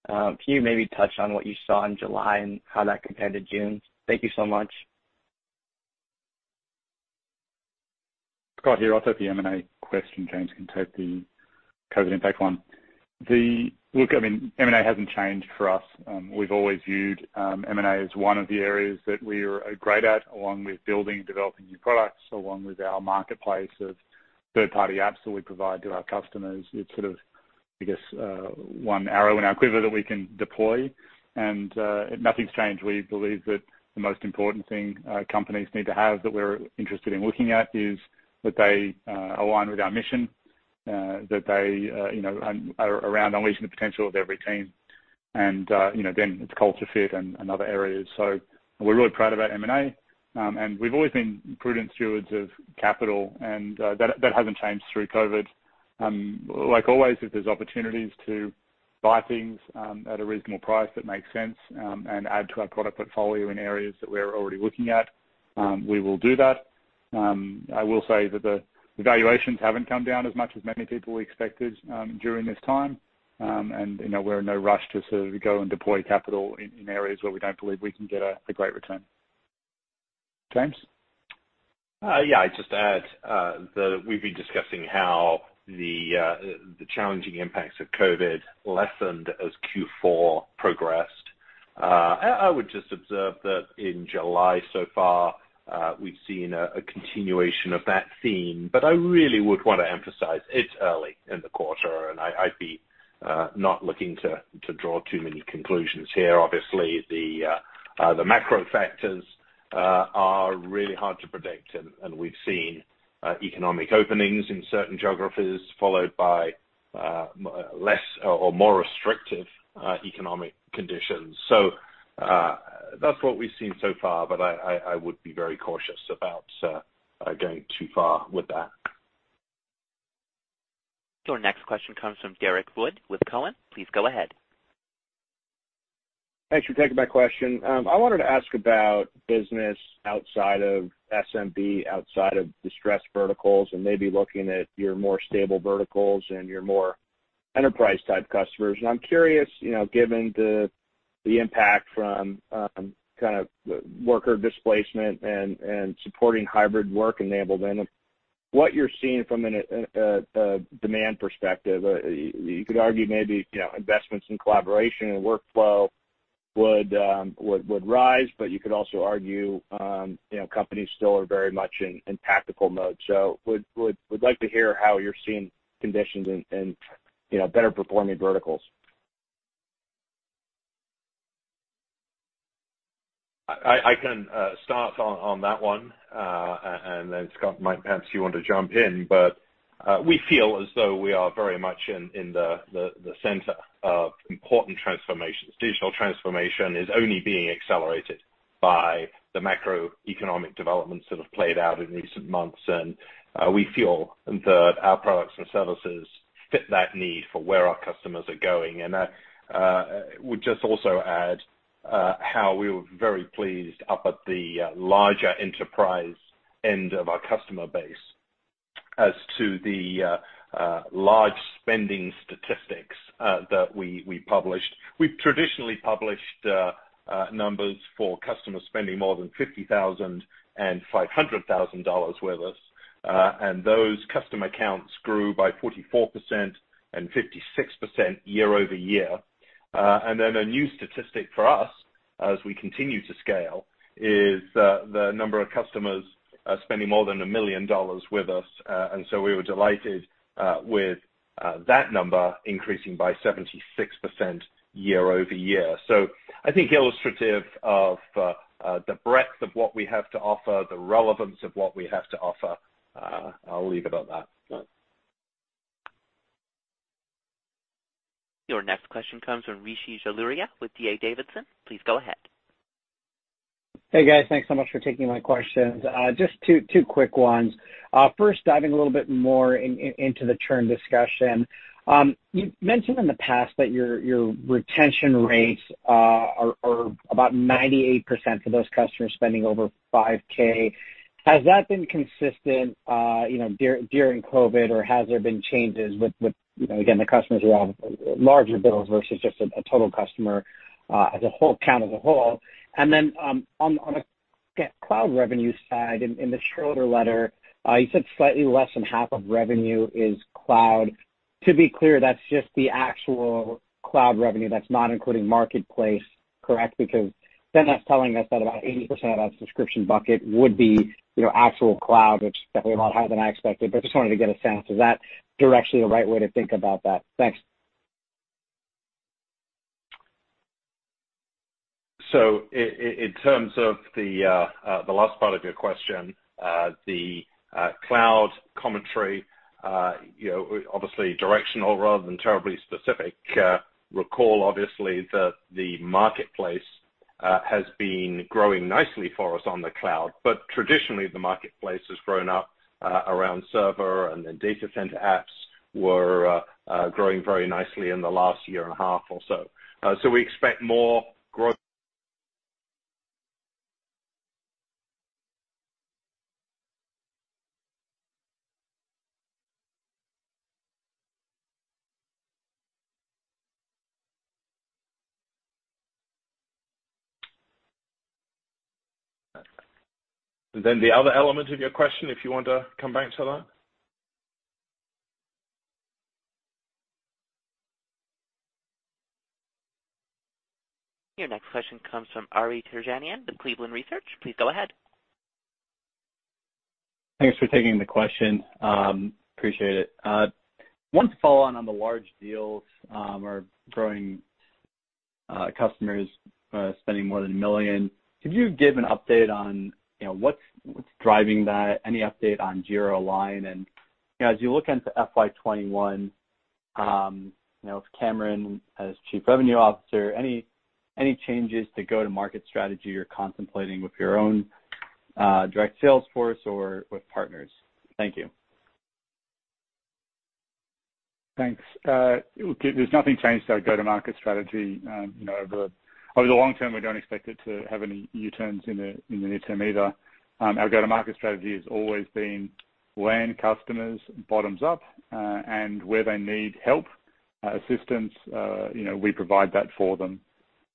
can you maybe touch on what you saw in July and how that compared to June? Thank you so much. Scott here. I'll take the M&A question. James can take the COVID impact one. I mean, M&A hasn't changed for us. We've always viewed M&A as one of the areas that we are great at, along with building and developing new products, along with our marketplace of third-party apps that we provide to our customers. It's sort of, I guess, one arrow in our quiver that we can deploy, and nothing's changed. We believe that the most important thing companies need to have, that we're interested in looking at, is that they align with our mission, that they are around unleashing the potential of every team. It's culture fit and other areas. We're really proud about M&A. We've always been prudent stewards of capital, and that hasn't changed through COVID. Like always, if there's opportunities to buy things at a reasonable price that makes sense and add to our product portfolio in areas that we're already looking at, we will do that. I will say that the valuations haven't come down as much as many people expected during this time, and we're in no rush to sort of go and deploy capital in areas where we don't believe we can get a great return. James? I'd just add that we've been discussing how the challenging impacts of COVID-19 lessened as Q4 progressed. I would just observe that in July so far, we've seen a continuation of that theme, but I really would want to emphasize it's early in the quarter, and I'd be not looking to draw too many conclusions here. Obviously, the macro factors are really hard to predict, and we've seen economic openings in certain geographies, followed by less or more restrictive economic conditions. That's what we've seen so far, but I would be very cautious about going too far with that. Your next question comes from Derrick Wood with Cowen. Please go ahead. Thanks for taking my question. I wanted to ask about business outside of SMB, outside of distressed verticals, and maybe looking at your more stable verticals and your more enterprise-type customers. I'm curious, given the impact from kind of worker displacement and supporting hybrid work enablement, what you're seeing from a demand perspective. You could argue maybe investments in collaboration and workflow would rise, but you could also argue companies still are very much in tactical mode. Would like to hear how you're seeing conditions in better-performing verticals. I can start on that one. Then Scott, perhaps you want to jump in. We feel as though we are very much in the center of important transformations. Digital transformation is only being accelerated by the macroeconomic developments that have played out in recent months. We feel that our products and services fit that need for where our customers are going. I would just also add how we were very pleased up at the larger enterprise end of our customer base. As to the large spending statistics that we published, we've traditionally published numbers for customers spending more than $50,000 and $500,000 with us. Those customer accounts grew by 44% and 56% year-over-year. Then a new statistic for us, as we continue to scale, is the number of customers spending more than $1 million with us. We were delighted with that number increasing by 76% year-over-year. I think illustrative of the breadth of what we have to offer, the relevance of what we have to offer. I'll leave it at that. Your next question comes from Rishi Jaluria with D.A. Davidson. Please go ahead. Hey, guys. Thanks so much for taking my questions. Just two quick ones. First, diving a little bit more into the churn discussion. You've mentioned in the past that your retention rates are about 98% for those customers spending over 5K. Has that been consistent during COVID, or has there been changes with, again, the customers who have larger bills versus just a total customer as a whole, count as a whole? On a cloud revenue side, in the shareholder letter, you said slightly less than half of revenue is cloud. To be clear, that's just the actual cloud revenue. That's not including marketplace, correct? That's telling us that about 80% of that subscription bucket would be actual cloud, which is definitely a lot higher than I expected, but just wanted to get a sense. Is that directionally the right way to think about that? Thanks. In terms of the last part of your question, the cloud commentary, obviously directional rather than terribly specific. Recall, obviously, that the marketplace has been growing nicely for us on the cloud. Traditionally, the marketplace has grown up around server, and then data center apps were growing very nicely in the last year and a half or so. We expect more growth. The other element of your question, if you want to come back to that. Your next question comes from Ari Terjanian with Cleveland Research. Please go ahead. Thanks for taking the question. Appreciate it. Wanted to follow on the large deals or growing customers spending more than $1 million. Could you give an update on what's driving that? Any update on Jira Align? As you look into FY 2021, with Cameron as Chief Revenue Officer, any changes to go-to-market strategy you're contemplating with your own direct sales force or with partners? Thank you. Thanks. There's nothing changed to our go-to-market strategy over the long term. We don't expect it to have any U-turns in the near term either. Our go-to-market strategy has always been land customers bottoms up, and where they need help, assistance, we provide that for them.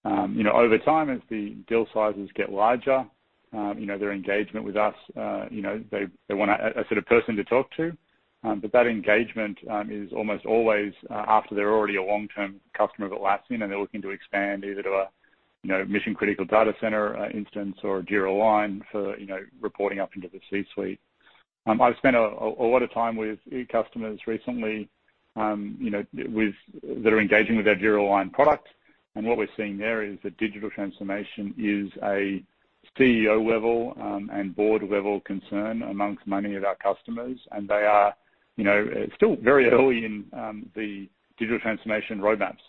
Over time, as the deal sizes get larger, their engagement with us, they want a person to talk to. That engagement is almost always after they're already a long-term customer of Atlassian, and they're looking to expand either to a mission-critical data center instance or a Jira Align for reporting up into the C-suite. I've spent a lot of time with customers recently that are engaging with our Jira Align product. What we're seeing there is that digital transformation is a CEO-level and board-level concern amongst many of our customers. They are still very early in the digital transformation roadmaps.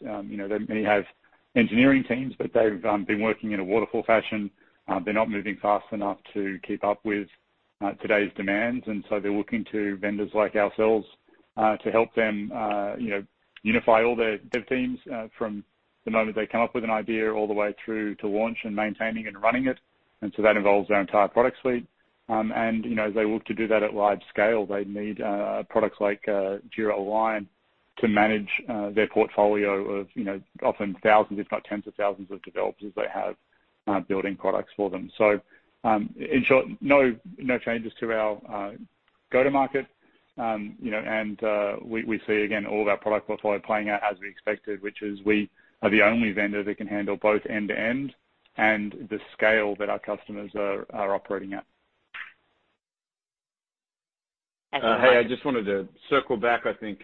They have engineering teams, they've been working in a waterfall fashion. They're not moving fast enough to keep up with today's demands, they're looking to vendors like ourselves to help them unify all their dev teams from the moment they come up with an idea all the way through to launch and maintaining and running it. That involves our entire product suite. As they look to do that at wide scale, they need products like Jira Align to manage their portfolio of often thousands, if not tens of thousands, of developers as they have building products for them. In short, no changes to our go-to-market. We see, again, all of our product portfolio playing out as we expected, which is we are the only vendor that can handle both end to end and the scale that our customers are operating at. Hey, I just wanted to circle back. I think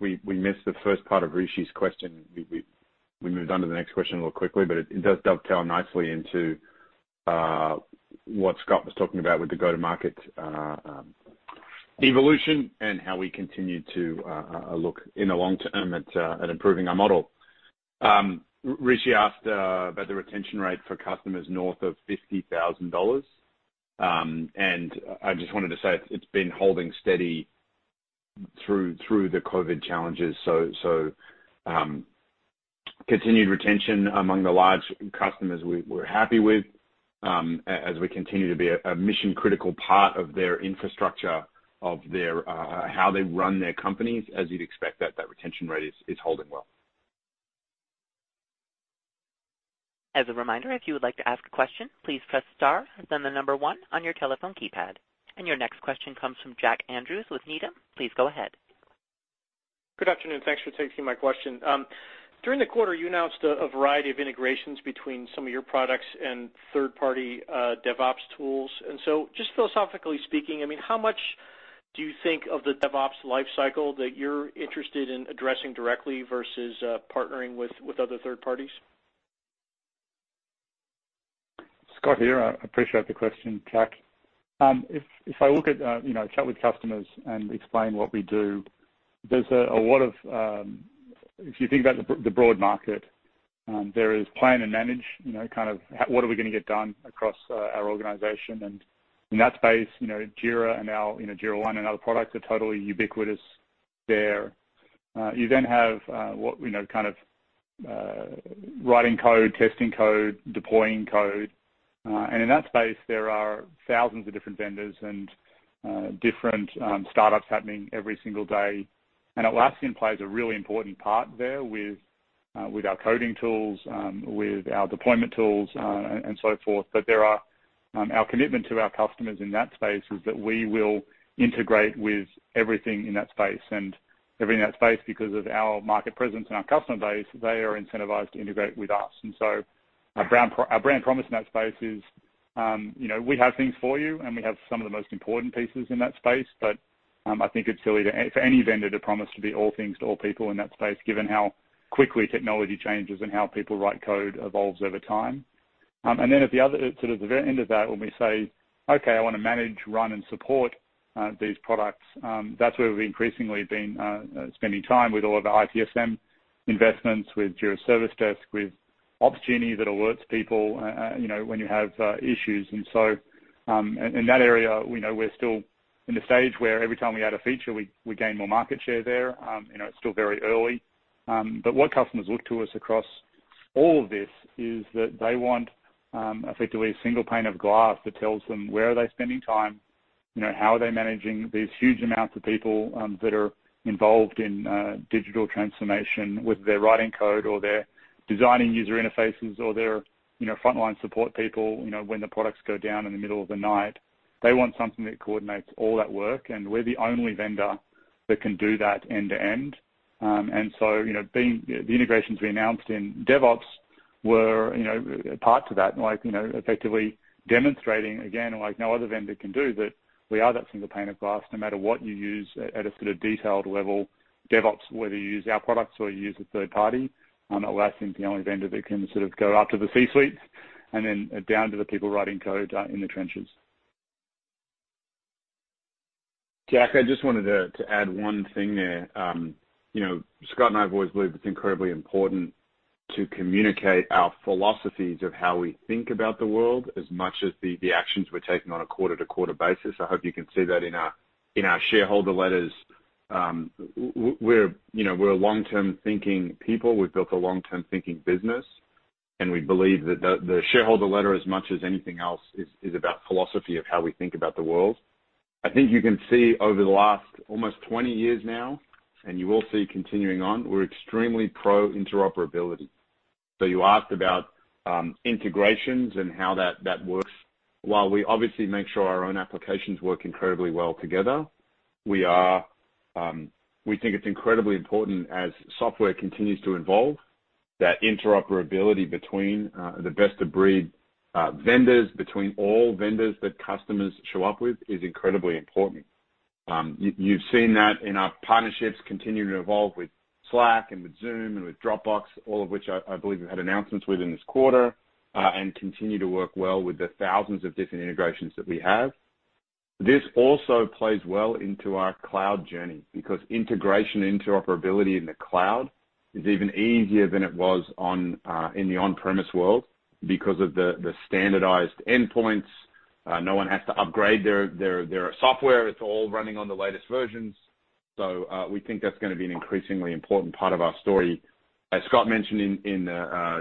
we missed the first part of Rishi's question. We moved on to the next question a little quickly, but it does dovetail nicely into what Scott was talking about with the go-to-market evolution and how we continue to look in the long term at improving our model. Rishi asked about the retention rate for customers north of $50,000. I just wanted to say it's been holding steady through the COVID challenges. Continued retention among the large customers we're happy with, as we continue to be a mission-critical part of their infrastructure, of how they run their companies. As you'd expect, that retention rate is holding well. As a reminder, if you would like to ask a question, please press star, then the number one on your telephone keypad. Your next question comes from Jack Andrews with Needham. Please go ahead. Good afternoon. Thanks for taking my question. During the quarter, you announced a variety of integrations between some of your products and third-party DevOps tools. Just philosophically speaking, how much do you think of the DevOps life cycle that you're interested in addressing directly versus partnering with other third parties? Scott here. I appreciate the question, Jack. If I chat with customers and explain what we do, if you think about the broad market, there is plan and manage, kind of what are we going to get done across our organization? In that space, Jira and our Jira Align and other products are totally ubiquitous there. You have writing code, testing code, deploying code. In that space, there are thousands of different vendors and different startups happening every single day. Atlassian plays a really important part there with our coding tools, with our deployment tools, and so forth. Our commitment to our customers in that space is that we will integrate with everything in that space. Everything in that space, because of our market presence and our customer base, they are incentivized to integrate with us. Our brand promise in that space is, we have things for you, and we have some of the most important pieces in that space. I think it's silly for any vendor to promise to be all things to all people in that space, given how quickly technology changes and how people write code evolves over time. At the very end of that, when we say, "Okay, I want to manage, run, and support these products," that's where we've increasingly been spending time with all of our ITSM investments, with Jira Service Desk, with Opsgenie that alerts people when you have issues. In that area, we know we're still in the stage where every time we add a feature, we gain more market share there. It's still very early. What customers look to us across all of this is that they want, effectively, a single pane of glass that tells them where are they spending time, how are they managing these huge amounts of people that are involved in digital transformation, whether they're writing code or they're designing user interfaces or they're frontline support people when the products go down in the middle of the night. They want something that coordinates all that work, and we're the only vendor that can do that end to end. The integrations we announced in DevOps were a part to that, effectively demonstrating again, like no other vendor can do, that we are that single pane of glass, no matter what you use at a sort of detailed level, DevOps, whether you use our products or you use a third party, Atlassian's the only vendor that can sort of go up to the C-suite and then down to the people writing code in the trenches. Jack, I just wanted to add one thing there. Scott and I have always believed it's incredibly important to communicate our philosophies of how we think about the world as much as the actions we're taking on a quarter-to-quarter basis. I hope you can see that in our shareholder letters. We're a long-term thinking people. We've built a long-term thinking business, and we believe that the shareholder letter, as much as anything else, is about philosophy of how we think about the world. I think you can see over the last almost 20 years now, and you will see continuing on, we're extremely pro interoperability. You asked about integrations and how that works. While we obviously make sure our own applications work incredibly well together, we think it's incredibly important as software continues to evolve, that interoperability between the best-of-breed vendors, between all vendors that customers show up with, is incredibly important. You've seen that in our partnerships continuing to evolve with Slack and with Zoom and with Dropbox, all of which I believe we've had announcements with in this quarter, and continue to work well with the thousands of different integrations that we have. This also plays well into our cloud journey because integration interoperability in the cloud is even easier than it was in the on-premise world because of the standardized endpoints. No one has to upgrade their software. It's all running on the latest versions. We think that's going to be an increasingly important part of our story, as Scott mentioned, in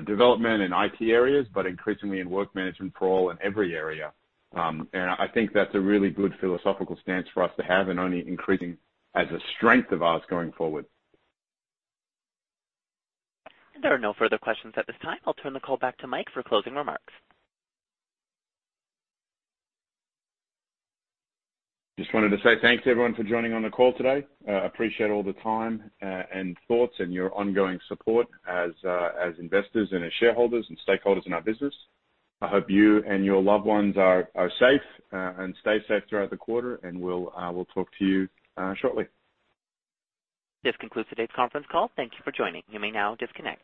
development and IT areas, but increasingly in work management for all and every area. I think that's a really good philosophical stance for us to have and only increasing as a strength of ours going forward. There are no further questions at this time. I'll turn the call back to Mike for closing remarks. Just wanted to say thanks, everyone, for joining on the call today. Appreciate all the time and thoughts and your ongoing support as investors and as shareholders and stakeholders in our business. I hope you and your loved ones are safe and stay safe throughout the quarter, and we'll talk to you shortly. This concludes today's conference call. Thank you for joining. You may now disconnect.